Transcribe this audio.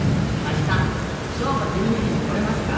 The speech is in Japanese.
「明日正午１２時に来れますか？